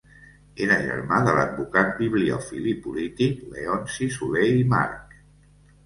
Era germà de l'advocat, bibliòfil i polític Leonci Soler i March.